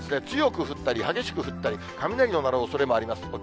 強く降ったり、激しく降ったり、雷の鳴るおそれもあります。